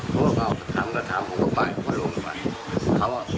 เพราะว่าเขาทำก็ทำแล้วก็ไปแล้วก็ลุกไป